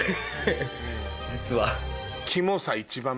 実は。